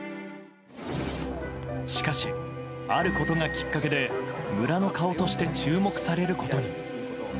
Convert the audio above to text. しかし、あることがきっかけで村の顔として注目されることに。